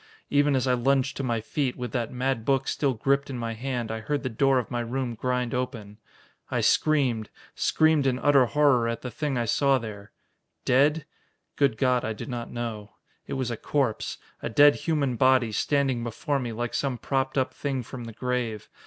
Even as I lunged to my feet, with that mad book still gripped in my hand, I heard the door of my room grind open. I screamed, screamed in utter horror at the thing I saw there. Dead? Good God, I do not know. It was a corpse, a dead human body, standing before me like some propped up thing from the grave.